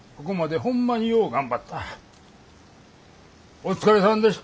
お疲れさんでした。